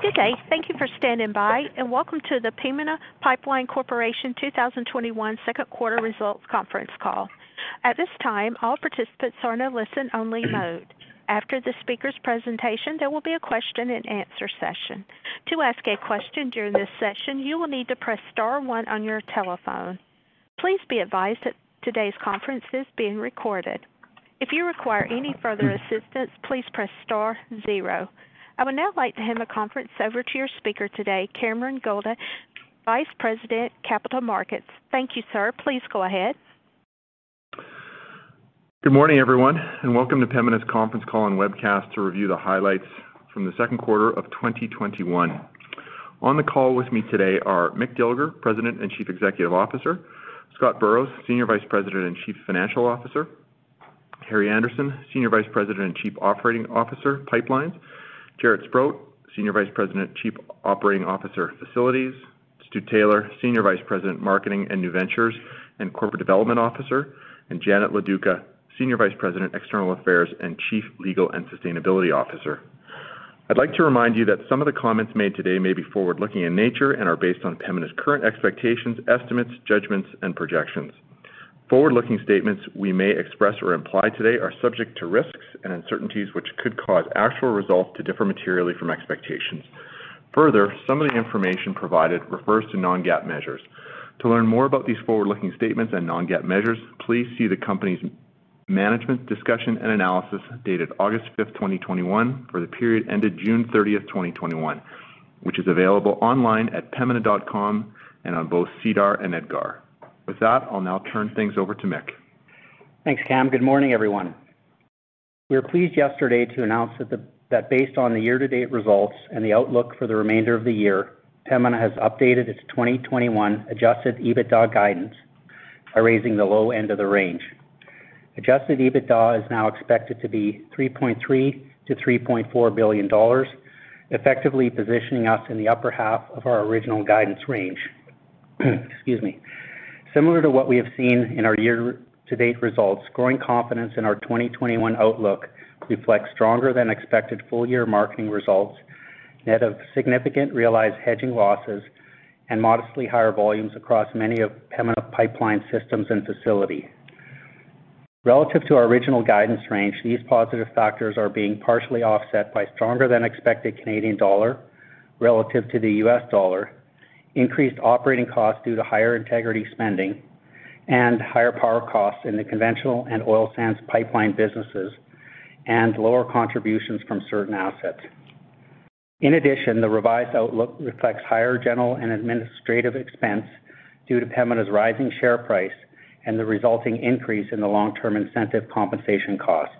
Good day. Thank you for standing by, and welcome to the Pembina Pipeline Corporation 2021 second quarter results conference call. At this time, all participants are in a listen-only mode. After the speaker's presentation, there will be a question-and-answer session. To ask a question during this session, you will need to press star one on your telephone. Please be advised that today's conference is being recorded. If you require any further assistance, please press star zero. I would now like to hand the conference over to your speaker today, Cameron Goldade, Vice President, Capital Markets. Thank you, sir. Please go ahead. Good morning, everyone, and welcome to Pembina's conference call and webcast to review the highlights from the second quarter of 2021. On the call with me today are Mick Dilger, President and Chief Executive Officer, Scott Burrows, Senior Vice President and Chief Financial Officer, Harry Andersen, Senior Vice President and Chief Operating Officer, Pipelines, Jaret Sprott, Senior Vice President, Chief Operating Officer, Facilities, Stu Taylor, Senior Vice President, Marketing and New Ventures, and Corporate Development Officer, and Janet Loduca, Senior Vice President, External Affairs and Chief Legal and Sustainability Officer. I'd like to remind you that some of the comments made today may be forward-looking in nature and are based on Pembina's current expectations, estimates, judgments, and projections. Forward-looking statements we may express or imply today are subject to risks and uncertainties which could cause actual results to differ materially from expectations. Further, some of the information provided refers to non-GAAP measures. To learn more about these forward-looking statements and non-GAAP measures, please see the company's management discussion and analysis dated August 5, 2021, for the period ended June 30, 2021, which is available online at pembina.com and on both SEDAR and EDGAR. With that, I'll now turn things over to Mick. Thanks, Cam. Good morning, everyone. We were pleased yesterday to announce that based on the year-to-date results and the outlook for the remainder of the year, Pembina has updated its 2021 adjusted EBITDA guidance by raising the low end of the range. Adjusted EBITDA is now expected to be 3.3 billion-3.4 billion dollars, effectively positioning us in the upper half of our original guidance range. Excuse me. Similar to what we have seen in our year-to-date results, growing confidence in our 2021 outlook reflects stronger than expected full-year marketing results net of significant realized hedging losses and modestly higher volumes across many of Pembina Pipeline's systems and facility. Relative to our original guidance range, these positive factors are being partially offset by stronger than expected Canadian dollar relative to the US dollar, increased operating costs due to higher integrity spending, and higher power costs in the conventional and oil sands pipeline businesses, and lower contributions from certain assets. In addition, the revised outlook reflects higher general and administrative expense due to Pembina's rising share price and the resulting increase in the long-term incentive compensation cost.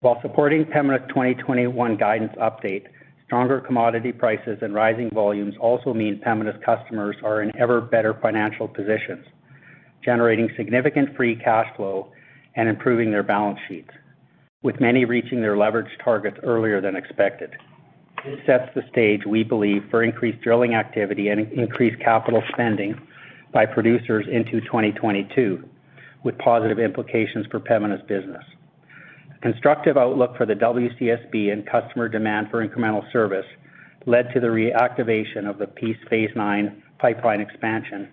While supporting Pembina's 2021 guidance update, stronger commodity prices and rising volumes also mean Pembina's customers are in ever better financial positions, generating significant free cash flow and improving their balance sheets, with many reaching their leverage targets earlier than expected. This sets the stage, we believe, for increased drilling activity and increased capital spending by producers into 2022, with positive implications for Pembina's business. Constructive outlook for the WCSB and customer demand for incremental service led to the reactivation of the Peace Phase IX pipeline expansion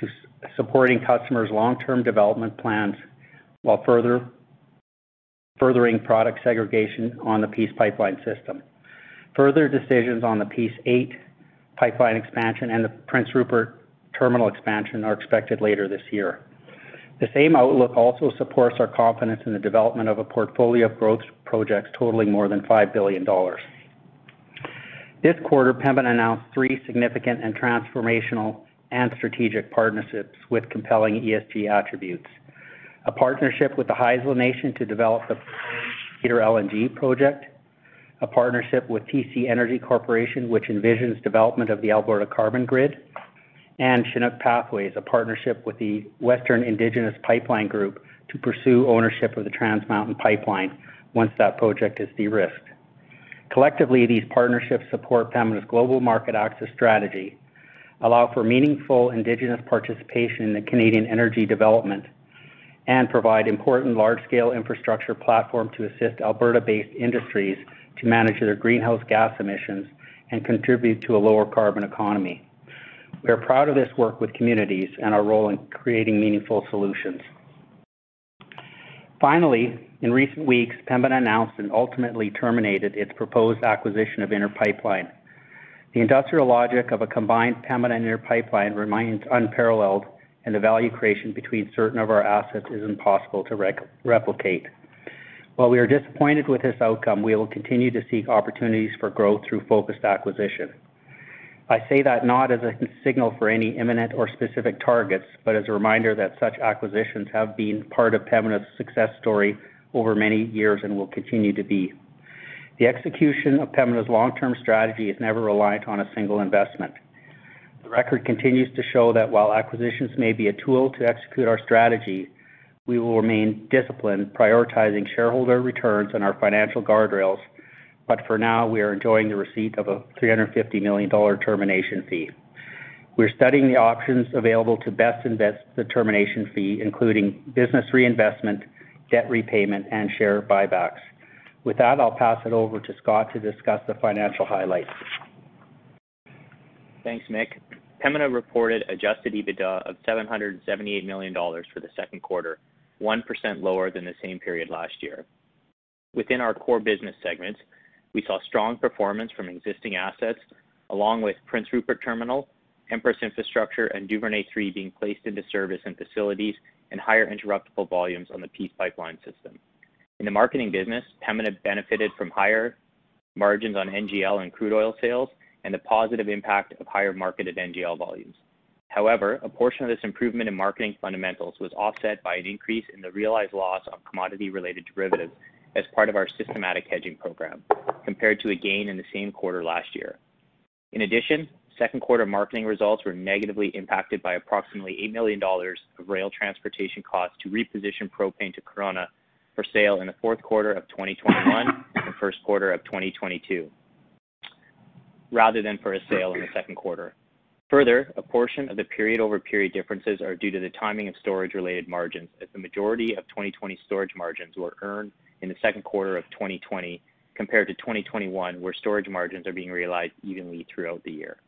to supporting customers' long-term development plans while furthering product segregation on the Peace pipeline system. Further decisions on the Peace VIII pipeline expansion and the Prince Rupert terminal expansion are expected later this year. The same outlook also supports our confidence in the development of a portfolio of growth projects totaling more than 5 billion dollars. This quarter, Pembina announced three significant and transformational and strategic partnerships with compelling ESG attributes. A partnership with the Haisla Nation to develop a Cedar LNG project, a partnership with TC Energy Corporation, which envisions development of the Alberta Carbon Grid, and Chinook Pathways, a partnership with the Western Indigenous Pipeline Group to pursue ownership of the Trans Mountain pipeline once that project is de-risked. Collectively, these partnerships support Pembina's global market access strategy, allow for meaningful Indigenous participation in the Canadian energy development, and provide important large-scale infrastructure platform to assist Alberta-based industries to manage their greenhouse gas emissions and contribute to a lower carbon economy. We are proud of this work with communities and our role in creating meaningful solutions. In recent weeks, Pembina announced and ultimately terminated its proposed acquisition of Inter Pipeline. The industrial logic of a combined Pembina and Inter Pipeline remains unparalleled, and the value creation between certain of our assets is impossible to replicate. While we are disappointed with this outcome, we will continue to seek opportunities for growth through focused acquisition. I say that not as a signal for any imminent or specific targets, but as a reminder that such acquisitions have been part of Pembina's success story over many years and will continue to be. The execution of Pembina's long-term strategy is never reliant on a single investment. The record continues to show that while acquisitions may be a tool to execute our strategy, we will remain disciplined, prioritizing shareholder returns and our financial guardrails. For now, we are enjoying the receipt of a 350 million dollar termination fee. We are studying the options available to best invest the termination fee, including business reinvestment, debt repayment, and share buybacks. With that, I will pass it over to Scott to discuss the financial highlights. Thanks, Mick. Pembina reported adjusted EBITDA of 778 million dollars for the second quarter, 1% lower than the same period last year. Within our core business segments, we saw strong performance from existing assets, along with Prince Rupert Terminal, Empress Infrastructure, and Duvernay III being placed into service and facilities, and higher interruptible volumes on the Peace Pipeline system. In the marketing business, Pembina benefited from higher margins on NGL and crude oil sales and the positive impact of higher marketed NGL volumes. However, a portion of this improvement in marketing fundamentals was offset by an increase in the realized loss of commodity-related derivatives as part of our systematic hedging program, compared to a gain in the same quarter last year. In addition, second quarter marketing results were negatively impacted by approximately 8 million dollars of rail transportation costs to reposition propane to Corunna for sale in the fourth quarter of 2021 and the first quarter of 2022, rather than for a sale in the second quarter. Further, a portion of the period-over-period differences are due to the timing of storage-related margins, as the majority of 2020 storage margins were earned in the second quarter of 2020 compared to 2021, where storage margins are being realized evenly throughout the year.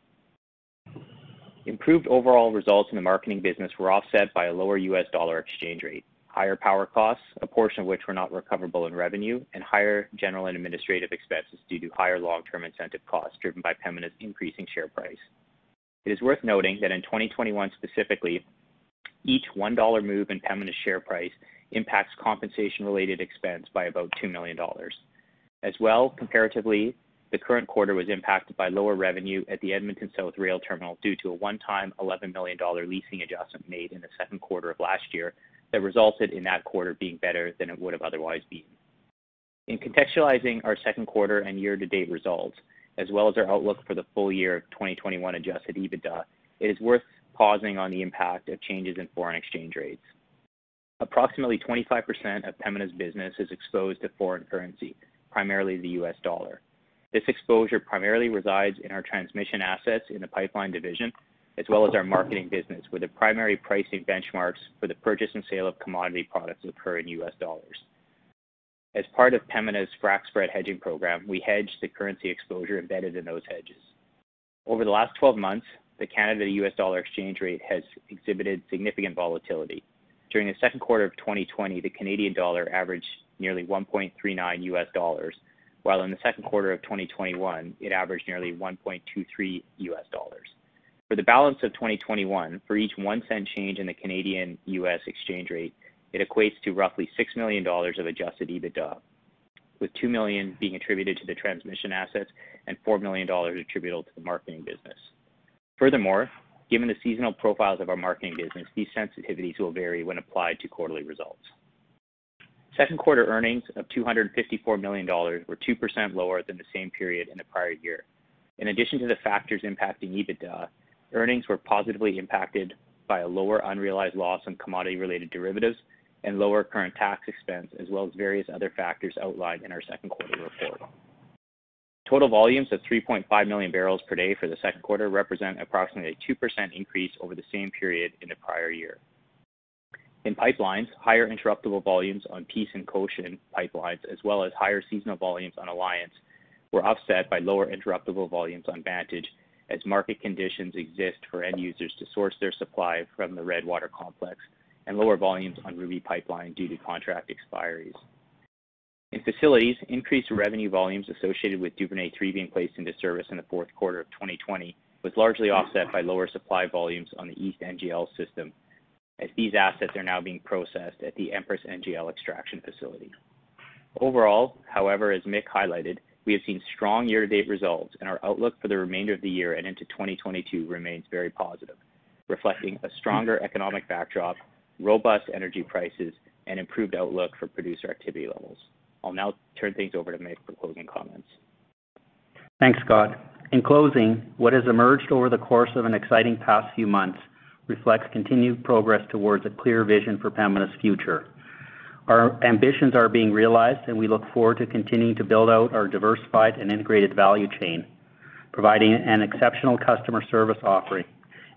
Improved overall results in the marketing business were offset by a lower US dollar exchange rate, higher power costs, a portion of which were not recoverable in revenue, and higher general and administrative expenses due to higher long-term incentive costs driven by Pembina's increasing share price. It is worth noting that in 2021 specifically, each CAD 1 move in Pembina's share price impacts compensation-related expense by about CAD 2 million. As well, comparatively, the current quarter was impacted by lower revenue at the Edmonton South Rail Terminal due to a one-time 11 million dollar leasing adjustment made in the second quarter of last year that resulted in that quarter being better than it would've otherwise been. In contextualizing our second quarter and year-to-date results, as well as our outlook for the full year of 2021 adjusted EBITDA, it is worth pausing on the impact of changes in foreign exchange rates. Approximately 25% of Pembina's business is exposed to foreign currency, primarily the U.S. dollar. This exposure primarily resides in our transmission assets in the pipeline division, as well as our marketing business, where the primary pricing benchmarks for the purchase and sale of commodity products occur in U.S. dollars. As part of Pembina's frac spread hedging program, we hedge the currency exposure embedded in those hedges. Over the last 12 months, the Canadian-U.S. dollar exchange rate has exhibited significant volatility. During the second quarter of 2020, the Canadian dollar averaged nearly $1.39, while in the second quarter of 2021, it averaged nearly $1.23. For the balance of 2021, for each 1 cent change in the Canadian-U.S. exchange rate, it equates to roughly 6 million dollars of adjusted EBITDA, with 2 million being attributed to the transmission assets and 4 million dollars attributable to the marketing business. Furthermore, given the seasonal profiles of our marketing business, these sensitivities will vary when applied to quarterly results. Second quarter earnings of 254 million dollars were 2% lower than the same period in the prior year. In addition to the factors impacting EBITDA, earnings were positively impacted by a lower unrealized loss on commodity-related derivatives and lower current tax expense, as well as various other factors outlined in our second quarter report. Total volumes of 3.5 MMbpd for the second quarter represent approximately a 2% increase over the same period in the prior year. In pipelines, higher interruptible volumes on Peace and Cochin Pipelines, as well as higher seasonal volumes on Alliance, were offset by lower interruptible volumes on Vantage as market conditions exist for end users to source their supply from the Redwater complex and lower volumes on Ruby Pipeline due to contract expiries. In facilities, increased revenue volumes associated with Duvernay III being placed into service in the fourth quarter of 2020 was largely offset by lower supply volumes on the East NGL System, as these assets are now being processed at the Empress NGL Extraction facility. Overall, however, as Mick highlighted, we have seen strong year-to-date results, and our outlook for the remainder of the year and into 2022 remains very positive, reflecting a stronger economic backdrop, robust energy prices, and improved outlook for producer activity levels. I'll now turn things over to Mick for closing comments. Thanks, Scott. In closing, what has emerged over the course of an exciting past few months reflects continued progress towards a clear vision for Pembina's future. Our ambitions are being realized, and we look forward to continuing to build out our diversified and integrated value chain, providing an exceptional customer service offering,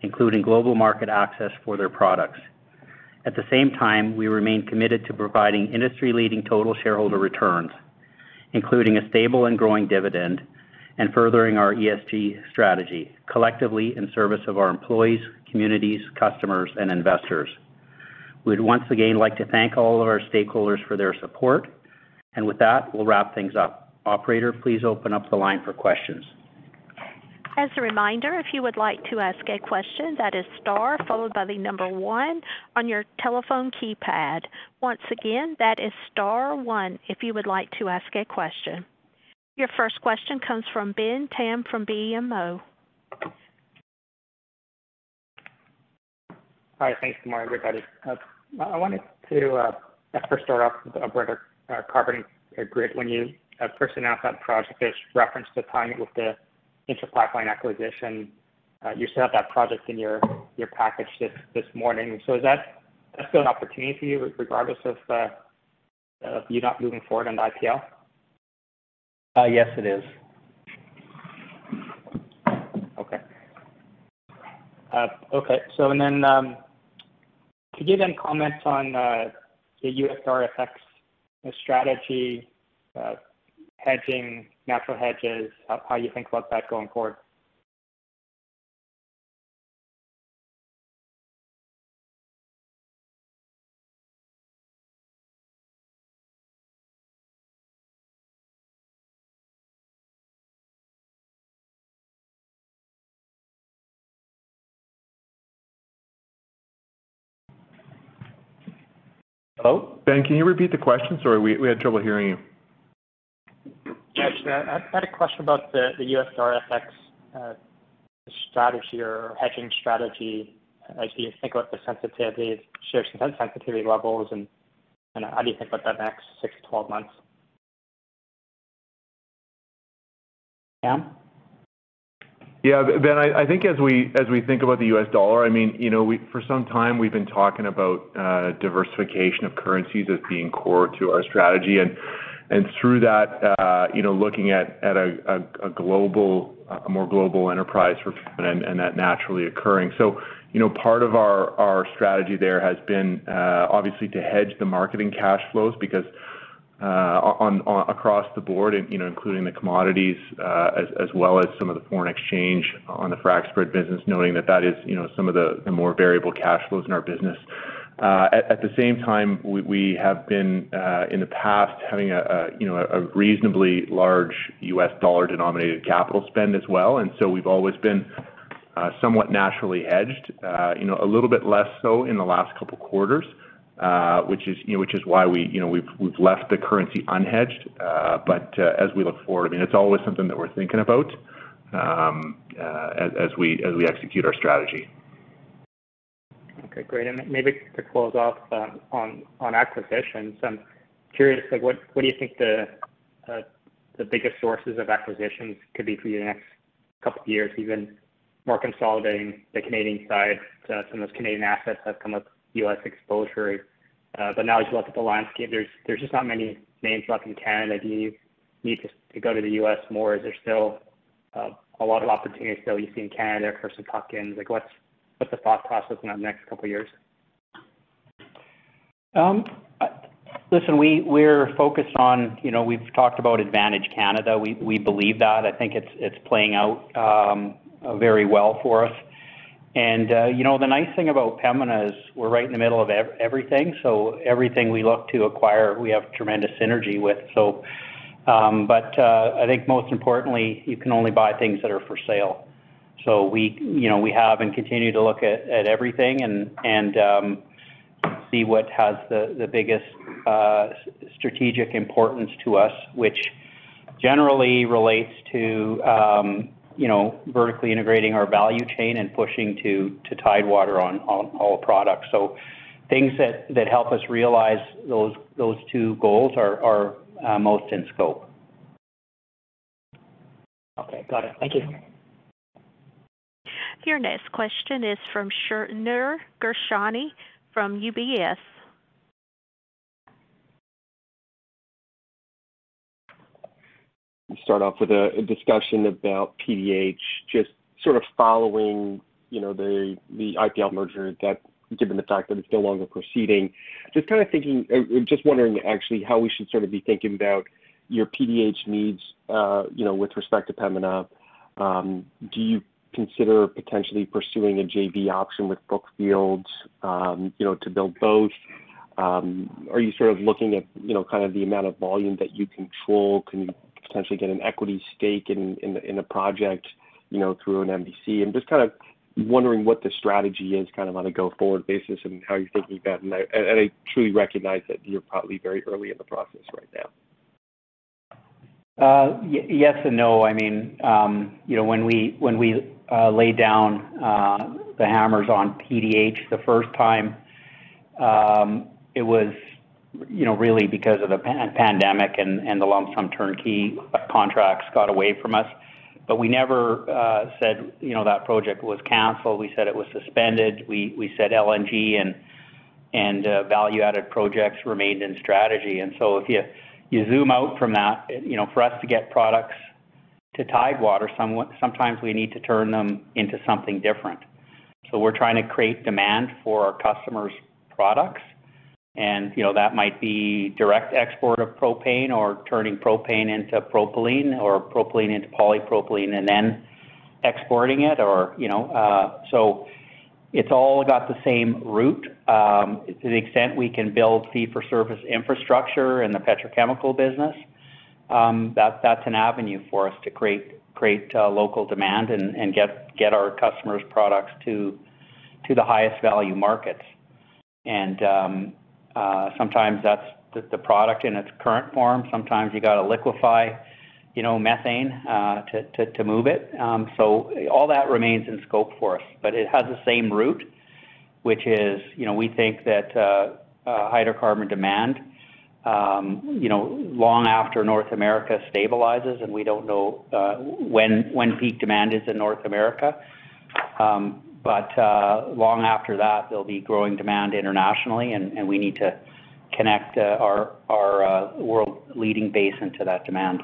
including global market access for their products. At the same time, we remain committed to providing industry-leading total shareholder returns, including a stable and growing dividend and furthering our ESG strategy, collectively in service of our employees, communities, customers, and investors. We'd once again like to thank all of our stakeholders for their support. With that, we'll wrap things up. Operator, please open up the line for questions. As a reminder, if you would like to ask a question, that is star followed by one on your telephone keypad. Once again, that is star one if you would like to ask a question. Your first question comes from Ben Pham from BMO. Hi. Thanks. Good morning, everybody. I wanted to first start off with Alberta Carbon Grid. When you first announced that project, there's reference to timing with the Inter Pipeline acquisition. You still have that project in your package this morning. Is that still an opportunity for you regardless of you not moving forward on the IPL? Yes, it is. Okay. Could you then comment on the US dollar effects strategy, hedging, natural hedges, how you think about that going forward? Hello? Ben, can you repeat the question? Sorry, we had trouble hearing you. Yes. I had a question about the U.S. dollar effects strategy or hedging strategy as you think about the sensitivity, share some sensitivity levels and how do you think about that next 6-12 months? Cam? Ben, I think as we think about the U.S. dollar, for some time we've been talking about diversification of currencies as being core to our strategy, and through that looking at a more global enterprise, and that naturally occurring. Part of our strategy there has been obviously to hedge the marketing cash flows because, across the board, including the commodities, as well as some of the foreign exchange on the frac spread business, knowing that is some of the more variable cash flows in our business. At the same time, we have been, in the past, having a reasonably large U.S. dollar denominated capital spend as well. We've always been somewhat naturally hedged, a little bit less so in the last two quarters, which is why we've left the currency unhedged. As we look forward, it is always something that we are thinking about as we execute our strategy. Okay, great. Maybe to close off on acquisitions, I'm curious, what do you think the biggest sources of acquisitions could be for you the next couple of years, even more consolidating the Canadian side? Some of those Canadian assets have come with U.S. exposure. Now as you look at the landscape, there's just not many names left in Canada. Do you need to go to the U.S. more? Is there still a lot of opportunity still you see in Canada for some tuck-ins? What's the thought process in the next couple of years? Listen, we've talked about Advantage Canada. We believe that. I think it's playing out very well for us. The nice thing about Pembina is we're right in the middle of everything we look to acquire, we have tremendous synergy with. I think most importantly, you can only buy things that are for sale. We have and continue to look at everything and see what has the biggest strategic importance to us, which generally relates to vertically integrating our value chain and pushing to Tidewater on all products. Things that help us realize those two goals are most in scope. Okay. Got it. Thank you. Your next question is from Shneur Gershuni from UBS. Let me start off with a discussion about PDH, just sort of following the IPL merger that, given the fact that it's no longer proceeding. Just wondering actually how we should sort of be thinking about your PDH needs with respect to Pembina. Do you consider potentially pursuing a JV option with Brookfield to build both? Are you sort of looking at the amount of volume that you control? Can you potentially get an equity stake in a project through an MVC? I'm just kind of wondering what the strategy is on a go-forward basis and how you're thinking about it. I truly recognize that you're probably very early in the process right now. Yes and no. When we laid down the hammers on PDH the first time, it was really because of the pandemic and the lump sum turnkey contracts got away from us. We never said that project was canceled. We said it was suspended. We said LNG and value-added projects remained in strategy. If you zoom out from that, for us to get products to Tidewater, sometimes we need to turn them into something different. We're trying to create demand for our customers' products, and that might be direct export of propane or turning propane into propylene, or propylene into polypropylene and then exporting it. It's all got the same root, to the extent we can build fee-for-service infrastructure in the petrochemical business, that's an avenue for us to create local demand and get our customers' products to the highest value markets. Sometimes that's the product in its current form. Sometimes you got to liquefy methane to move it. All that remains in scope for us, but it has the same root, which is, we think that hydrocarbon demand, long after North America stabilizes, and we don't know when peak demand is in North America. Long after that, there'll be growing demand internationally, and we need to connect our world-leading basin to that demand.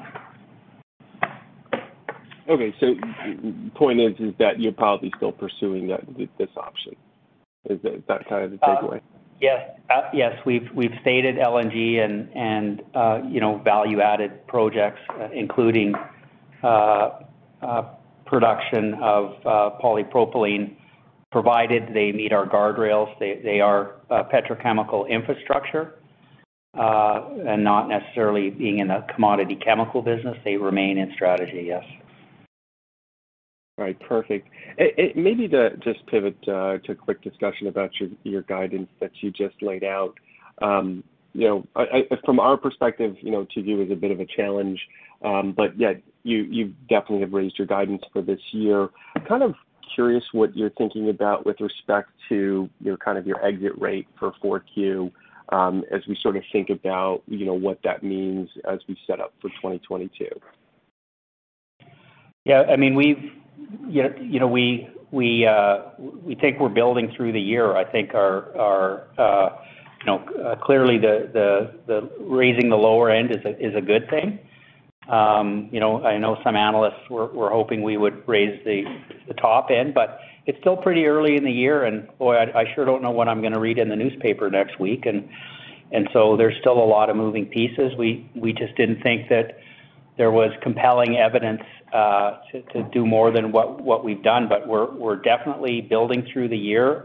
Okay. The point is that you're probably still pursuing this option. Is that kind of the takeaway? Yes. We've stated LNG and value-added projects, including production of polypropylene, provided they meet our guardrails. They are petrochemical infrastructure, and not necessarily being in the commodity chemical business, they remain in strategy, yes. Right. Perfect. Maybe to just pivot to a quick discussion about your guidance that you just laid out. From our perspective, to you is a bit of a challenge. Yet, you definitely have raised your guidance for this year. I'm kind of curious what you're thinking about with respect to your exit rate for 4Q, as we sort of think about what that means as we set up for 2022. We think we're building through the year. I think, clearly, raising the lower end is a good thing. I know some analysts were hoping we would raise the top end, but it's still pretty early in the year, and, boy, I sure don't know what I'm going to read in the newspaper next week. There's still a lot of moving pieces. We just didn't think that there was compelling evidence to do more than what we've done. We're definitely building through the year.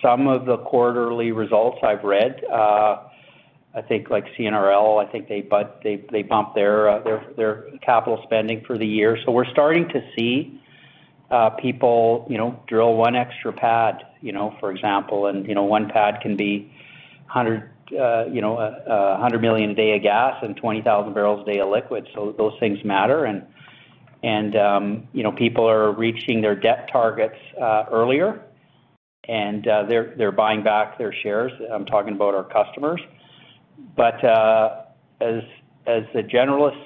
Some of the quarterly results I've read, I think like CNRL, I think they bumped their capital spending for the year. We're starting to see people drill one extra pad, for example. One pad can be 100 million a day of gas and 20,000 bbl a day of liquid. Those things matter, and people are reaching their debt targets earlier, and they're buying back their shares. I'm talking about our customers. As the generalists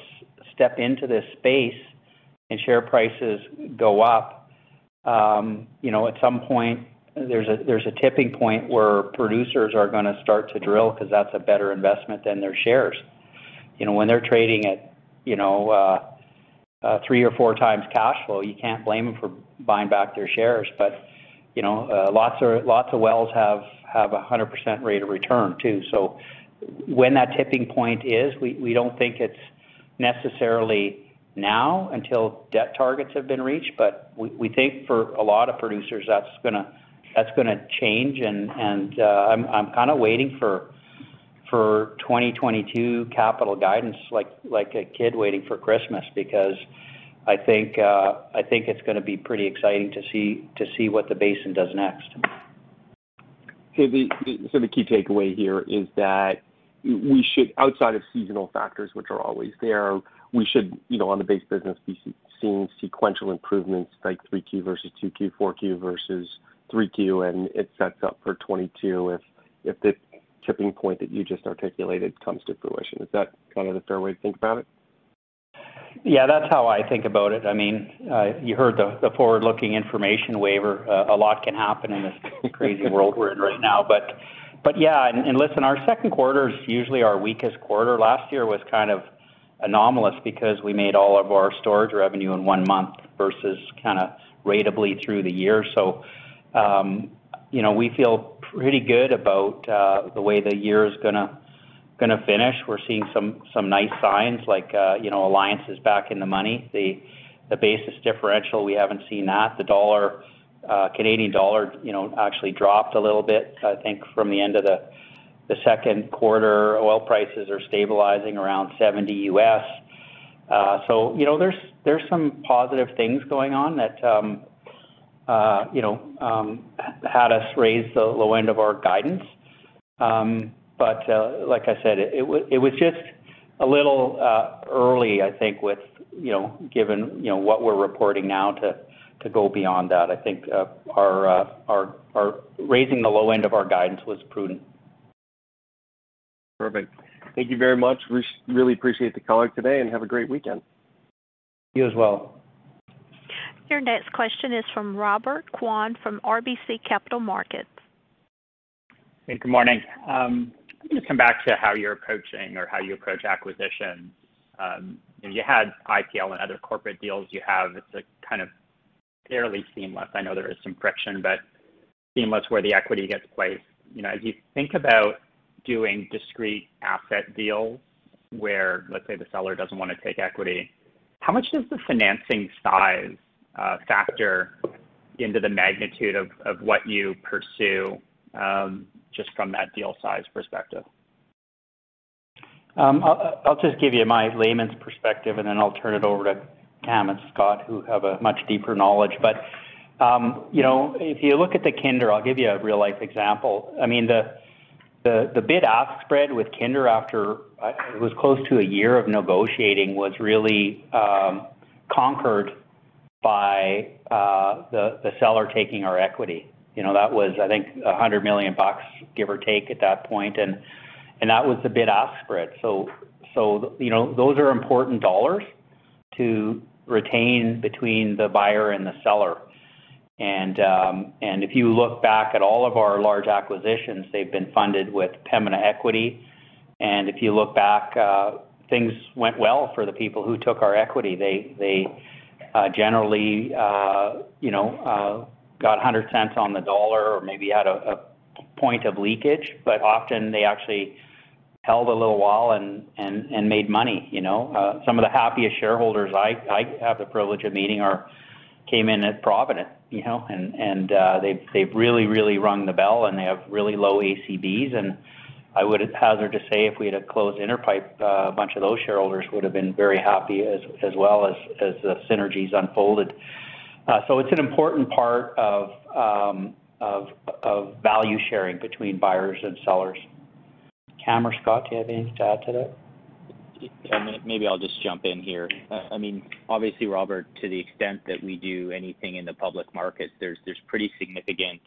step into this space and share prices go up, at some point, there's a tipping point where producers are going to start to drill because that's a better investment than their shares. When they're trading at three or four times cash flow, you can't blame them for buying back their shares. Lots of wells have 100% rate of return, too. When that tipping point is, we don't think it's necessarily now until debt targets have been reached, but we think for a lot of producers, that's going to change. I'm kind of waiting for 2022 capital guidance like a kid waiting for Christmas, because I think it's going to be pretty exciting to see what the basin does next. The key takeaway here is that we should, outside of seasonal factors, which are always there, we should, on the base business, be seeing sequential improvements like 3Q versus 2Q, 4Q versus 3Q, and it sets up for 2022 if the tipping point that you just articulated comes to fruition. Is that kind of the fair way to think about it? Yeah, that's how I think about it. You heard the forward-looking information waiver. A lot can happen in this crazy world we're in right now. And listen, our second quarter is usually our weakest quarter. Last year was kind of anomalous because we made all of our storage revenue in one month versus kind of ratably through the year. We feel pretty good about the way the year is going to finish. We're seeing some nice signs like Alliance is back in the money. The basis differential, we haven't seen that. The Canadian dollar actually dropped a little bit, I think, from the end of the second quarter. Oil prices are stabilizing around $70 U.S. There's some positive things going on that had us raise the low end of our guidance. Like I said, it was just a little early, I think, given what we're reporting now, to go beyond that. I think raising the low end of our guidance was prudent. Perfect. Thank you very much. Really appreciate the call today, and have a great weekend. You as well. Your next question is from Robert Kwan from RBC Capital Markets. Good morning. I'm going to come back to how you're approaching or how you approach acquisitions. You had IPL and other corporate deals you have, it's kind of fairly seamless. I know there is some friction, but seamless where the equity gets placed. As you think about doing discrete asset deals where, let's say, the seller doesn't want to take equity, how much does the financing size factor into the magnitude of what you pursue, just from that deal size perspective? I'll just give you my layman's perspective, and then I'll turn it over to Cam and Scott, who have a much deeper knowledge. If you look at the Kinder, I'll give you a real-life example. The bid-ask spread with Kinder after it was close to a year of negotiating was really conquered by the seller taking our equity. That was, I think, 100 million bucks, give or take at that point. That was the bid-ask spread. Those are important dollars to retain between the buyer and the seller. If you look back at all of our large acquisitions, they've been funded with Pembina equity. If you look back, things went well for the people who took our equity. They generally got 100 cents on the dollar or maybe had a point of leakage, but often they actually held a little while and made money. Some of the happiest shareholders I have the privilege of meeting came in at Provident. They've really rung the bell, they have really low ACBs, I would hazard to say if we'd have closed Interpipe, a bunch of those shareholders would've been very happy as well as the synergies unfolded. It's an important part of value sharing between buyers and sellers. Cam or Scott, do you have anything to add to that? Maybe I'll just jump in here. Obviously, Robert, to the extent that we do anything in the public market, there's pretty significant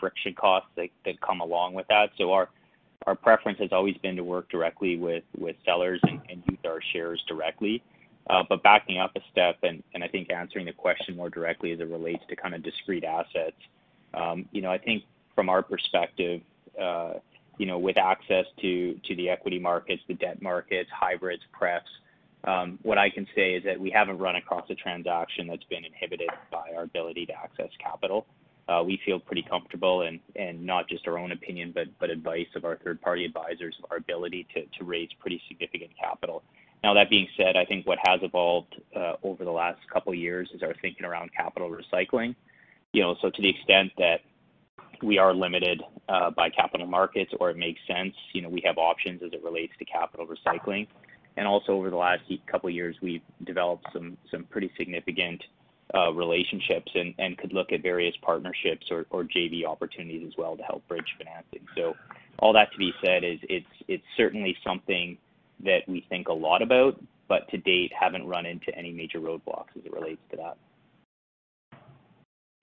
friction costs that come along with that. Our preference has always been to work directly with sellers and use our shares directly. Backing up a step and I think answering the question more directly as it relates to kind of discrete assets, I think from our perspective, with access to the equity markets, the debt markets, hybrids, prefs, what I can say is that we haven't run across a transaction that's been inhibited by our ability to access capital. We feel pretty comfortable, and not just our own opinion, but advice of our third-party advisors, of our ability to raise pretty significant capital. That being said, I think what has evolved over the last couple of years is our thinking around capital recycling. To the extent that we are limited by capital markets or it makes sense, we have options as it relates to capital recycling. Also over the last couple of years, we've developed some pretty significant relationships and could look at various partnerships or JV opportunities as well to help bridge financing. All that to be said is it's certainly something that we think a lot about, but to date, haven't run into any major roadblocks as it relates to that.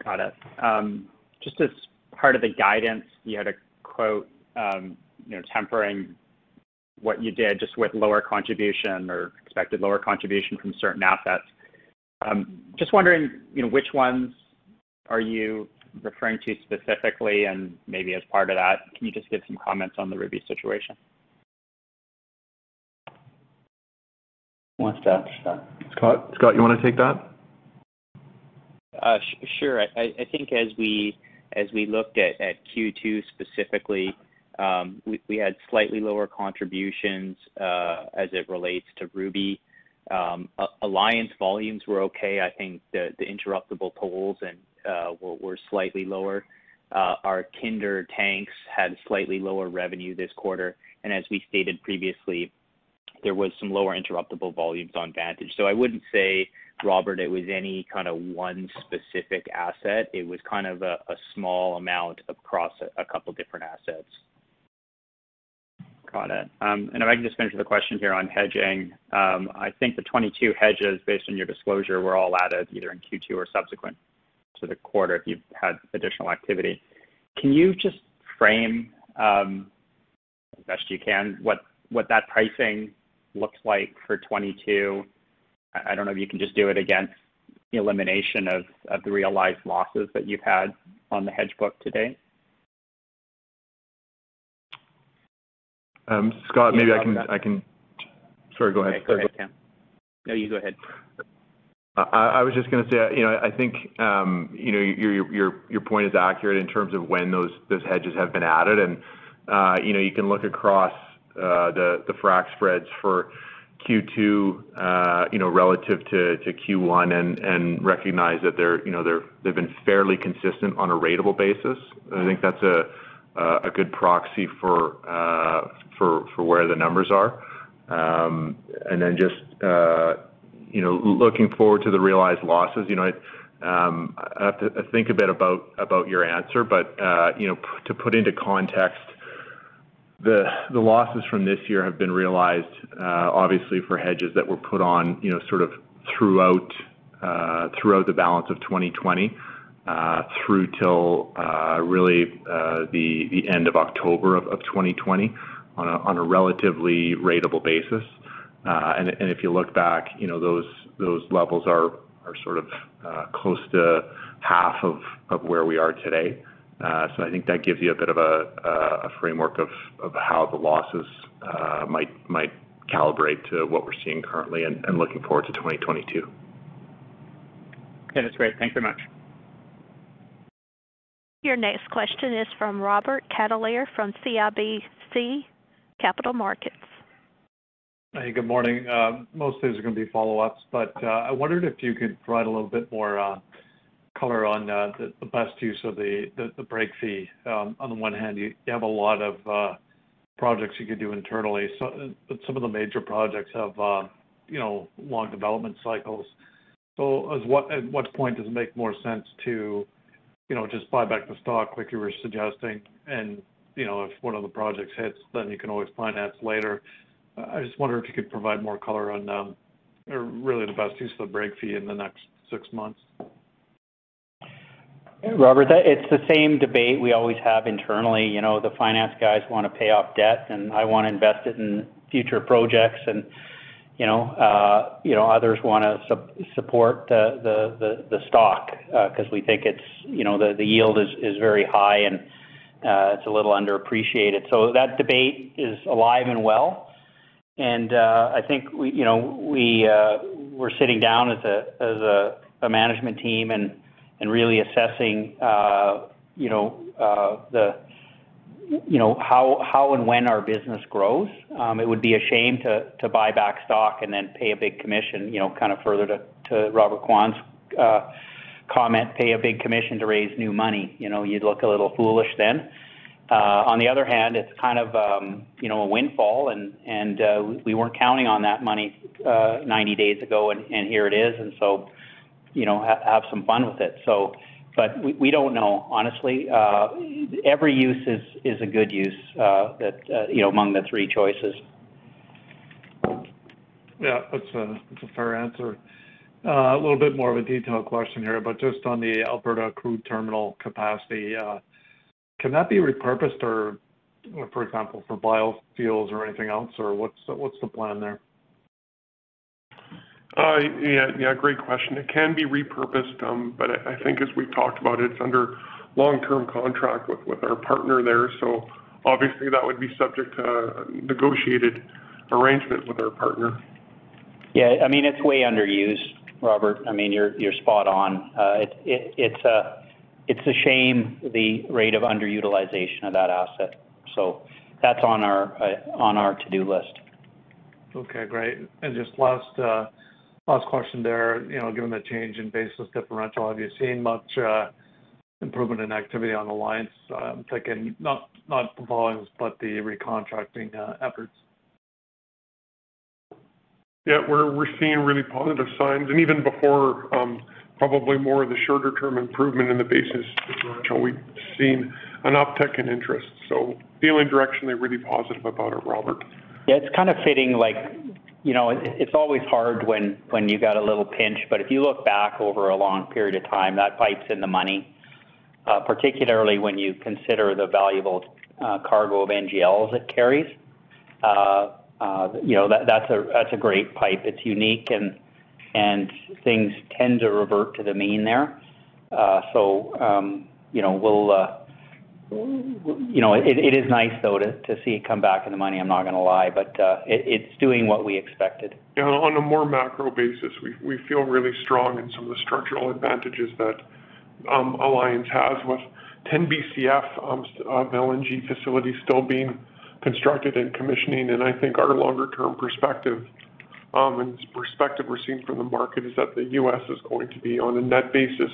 Got it. Just as part of the guidance, you had a quote tempering what you did just with lower contribution or expected lower contribution from certain assets. Just wondering, which ones are you referring to specifically? Maybe as part of that, can you just give some comments on the Ruby situation? Who wants that? Scott? Scott, you want to take that? Sure. I think as we looked at Q2 specifically, we had slightly lower contributions, as it relates to Ruby. Alliance volumes were okay. I think the interruptible tolls were slightly lower. Our Kinder tanks had slightly lower revenue this quarter. As we stated previously, there was some lower interruptible volumes on Vantage. I wouldn't say, Robert, it was any kind of one specific asset. It was kind of a small amount across a couple different assets. Got it. If I can just finish with a question here on hedging. I think the 2022 hedges, based on your disclosure, were all added either in Q2 or subsequent to the quarter if you've had additional activity. Can you just frame, as best you can, what that pricing looks like for 2022? I don't know if you can just do it against the elimination of the realized losses that you've had on the hedge book to date. Scott. Yeah. Sorry, go ahead. Go ahead, Cam. No, you go ahead. I was just going to say, I think your point is accurate in terms of when those hedges have been added. You can look across the frac spreads for Q2, relative to Q1, and recognize that they've been fairly consistent on a ratable basis. I think that's a good proxy for where the numbers are. Just looking forward to the realized losses, I have to think a bit about your answer. To put into context, the losses from this year have been realized, obviously, for hedges that were put on sort of throughout the balance of 2020, through till really the end of October of 2020 on a relatively ratable basis. If you look back, those levels are sort of close to half of where we are today. I think that gives you a bit of a framework of how the losses might calibrate to what we're seeing currently and looking forward to 2022. Okay. That's great. Thanks very much. Your next question is from Robert Catellier from CIBC Capital Markets. Hey, good morning. Most of these are going to be follow-ups. I wondered if you could provide a little bit more color on the best use of the break fee. On the one hand, you have a lot of projects you could do internally, but some of the major projects have long development cycles. At what point does it make more sense to just buy back the stock like you were suggesting? If one of the projects hits, you can always finance later. I just wonder if you could provide more color on really the best use of the break fee in the next six months. Robert, it's the same debate we always have internally. The finance guys want to pay off debt, I want to invest it in future projects, and others want to support the stock, because we think the yield is very high and it's a little underappreciated. That debate is alive and well. I think we're sitting down as a management team and really assessing how and when our business grows. It would be a shame to buy back stock and then pay a big commission, further to Robert Kwan's comment, pay a big commission to raise new money. You'd look a little foolish then. On the other hand, it's a windfall and we weren't counting on that money 90 days ago, and here it is, and so have some fun with it. We don't know, honestly. Every use is a good use among the three choices. Yeah, that's a fair answer. A little bit more of a detailed question here, but just on the Alberta crude terminal capacity, can that be repurposed or, for example, for biofuels or anything else, or what's the plan there? Yeah. Great question. It can be repurposed, but I think as we've talked about it's under long-term contract with our partner there. Obviously that would be subject to a negotiated arrangement with our partner. Yeah. It's way underused, Robert. You're spot on. It's a shame the rate of underutilization of that asset. That's on our to-do list. Okay, great. Just last question there. Given the change in basis differential, have you seen much improvement in activity on Alliance? I'm thinking not the volumes, but the recontracting efforts. We're seeing really positive signs and even before, probably more of the shorter-term improvement in the basis differential, we've seen an uptick in interest, so feeling directionally really positive about it, Robert. Yeah, it's fitting. It's always hard when you got a little pinch, but if you look back over a long period of time, that pipe's in the money, particularly when you consider the valuable cargo of NGLs it carries. That's a great pipe. It's unique and things tend to revert to the mean there. It is nice, though, to see it come back in the money, I'm not going to lie, but it's doing what we expected. On a more macro basis, we feel really strong in some of the structural advantages that Alliance has with 10 BCF of LNG facilities still being constructed and commissioning. I think our longer-term perspective, and perspective we're seeing from the market, is that the U.S. is going to be, on a net basis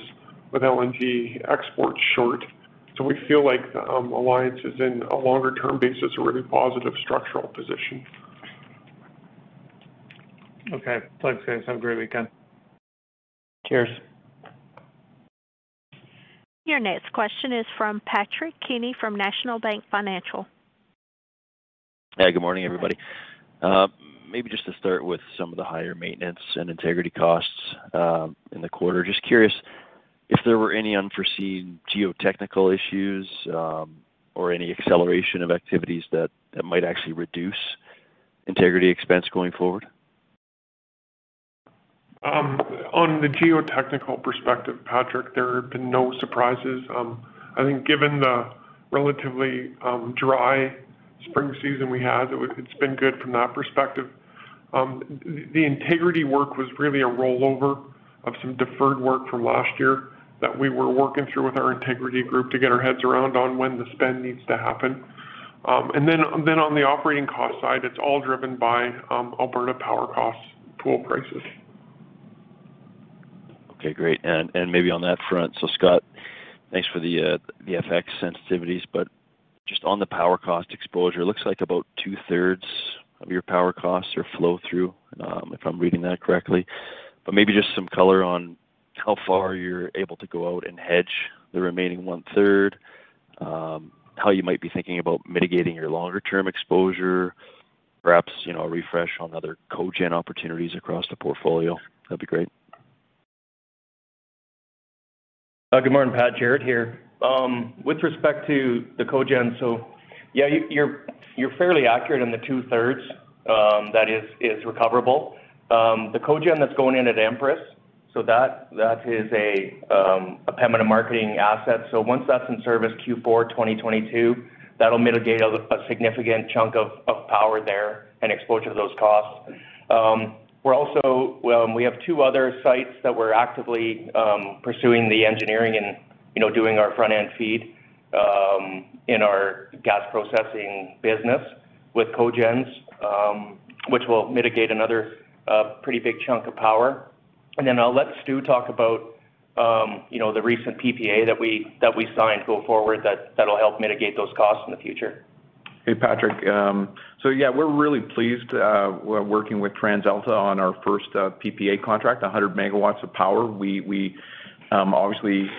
with LNG exports, short. We feel like Alliance is, in a longer-term basis, a really positive structural position. Okay. Thanks, guys. Have a great weekend. Cheers. Your next question is from Patrick Kenny from National Bank Financial. Hey, good morning, everybody. Maybe just to start with some of the higher maintenance and integrity costs in the quarter, just curious if there were any unforeseen geotechnical issues, or any acceleration of activities that might actually reduce integrity expense going forward? On the geotechnical perspective, Patrick, there have been no surprises. I think given the relatively dry spring season we had, it's been good from that perspective. The integrity work was really a rollover of some deferred work from last year that we were working through with our integrity group to get our heads around on when the spend needs to happen. On the operating cost side, it's all driven by Alberta power costs, pool prices. Okay, great. Maybe on that front, Scott, thanks for the FX sensitivities, just on the power cost exposure, it looks like about two-thirds of your power costs are flow-through, if I'm reading that correctly. Maybe just some color on how far you're able to go out and hedge the remaining one-third, how you might be thinking about mitigating your longer-term exposure, perhaps a refresh on other cogen opportunities across the portfolio. That'd be great. Good morning, Pat, Jaret here. With respect to the cogen, yeah, you're fairly accurate on the two-thirds that is recoverable. The cogen that's going in at Empress, that is a permanent marketing asset. Once that's in service Q4 2022, that'll mitigate a significant chunk of power there and exposure to those costs. We have two other sites that we're actively pursuing the engineering and doing our front-end FEED in our gas processing business with cogens, which will mitigate another pretty big chunk of power. I'll let Stu talk about the recent PPA that we signed go forward that'll help mitigate those costs in the future. Hey, Patrick. Yeah, we're really pleased working with TransAlta on our first PPA contract, 100 MW of power. We obviously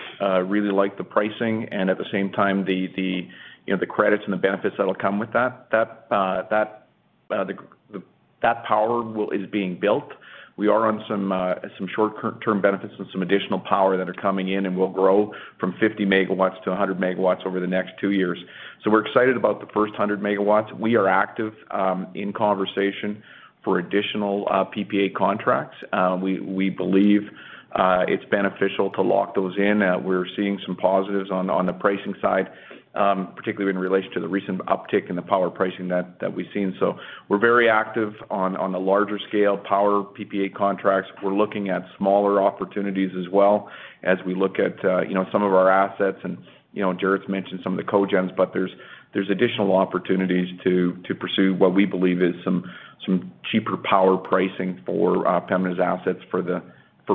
really like the pricing and at the same time, the credits and the benefits that'll come with that. That power is being built. We are on some short-term benefits and some additional power that are coming in, and we'll grow from 50 MW-100 MW over the next two years. We're excited about the first 100 MW. We are active in conversation for additional PPA contracts. We believe it's beneficial to lock those in. We're seeing some positives on the pricing side, particularly in relation to the recent uptick in the power pricing that we've seen. We're very active on the larger scale power PPA contracts. We're looking at smaller opportunities as well as we look at some of our assets and Jaret's mentioned some of the cogens, but there's additional opportunities to pursue what we believe is some cheaper power pricing for Pembina's assets for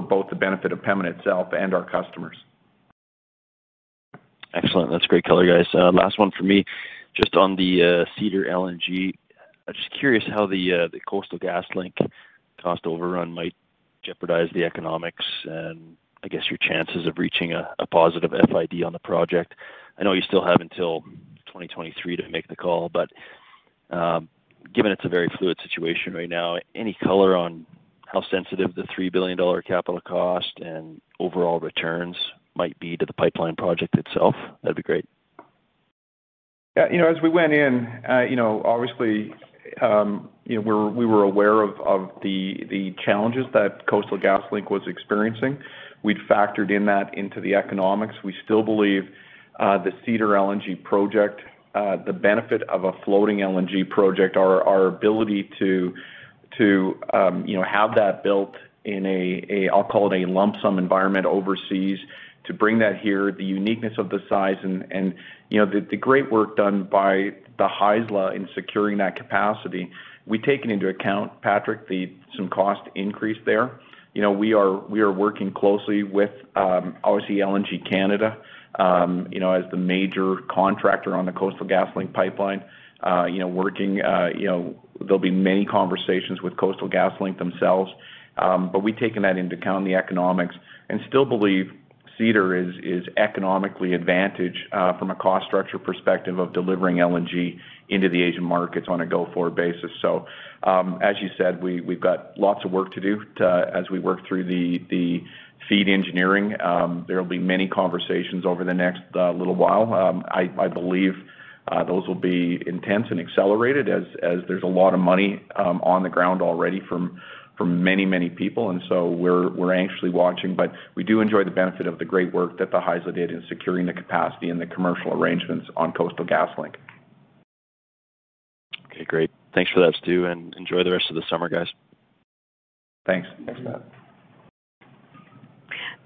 both the benefit of Pembina itself and our customers. Excellent. That's great color, guys. Last one from me, just on the Cedar LNG. Just curious how the Coastal GasLink cost overrun might jeopardize the economics and I guess your chances of reaching a positive FID on the project. I know you still have until 2023 to make the call, given it's a very fluid situation right now, any color on how sensitive the 3 billion dollar capital cost and overall returns might be to the pipeline project itself? That'd be great. Yeah. As we went in, obviously we were aware of the challenges that Coastal GasLink was experiencing. We factored in that into the economics. We still believe the Cedar LNG project, the benefit of a floating LNG project, our ability to have that built in a, I'll call it a lump sum environment overseas, to bring that here, the uniqueness of the size and the great work done by the Haisla in securing that capacity. We take it into account, Patrick, some cost increase there. We are working closely with, obviously, LNG Canada as the major contractor on the Coastal GasLink pipeline. There will be many conversations with Coastal GasLink themselves. We've taken that into account, the economics, and still believe Cedar is economically advantaged, from a cost structure perspective of delivering LNG into the Asian markets on a go-forward basis. As you said, we've got lots of work to do as we work through the FEED engineering. There'll be many conversations over the next little while. I believe those will be intense and accelerated as there's a lot of money on the ground already from many people and so we're anxiously watching. We do enjoy the benefit of the great work that the Haisla did in securing the capacity and the commercial arrangements on Coastal GasLink. Okay, great. Thanks for that, Stu, and enjoy the rest of the summer, guys. Thanks. Thanks, Pat.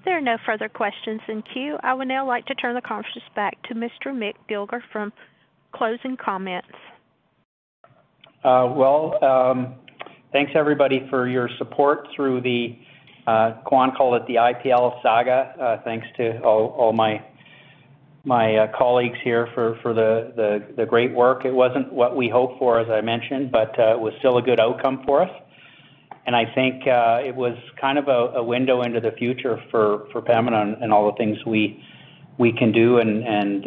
There are no further questions in queue. I would now like to turn the conference back to Mr. Mick Dilger for closing comments. Well, thanks everybody for your support through the, Kwan called it the IPL saga. Thanks to all my colleagues here for the great work. It wasn't what we hoped for, as I mentioned, but it was still a good outcome for us. I think it was a window into the future for Pembina and all the things we can do and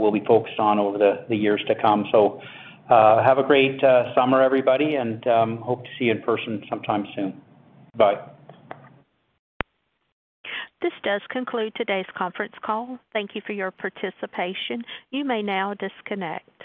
we'll be focused on over the years to come. Have a great summer, everybody, and hope to see you in person sometime soon. Bye. This does conclude today's conference call. Thank you for your participation. You may now disconnect.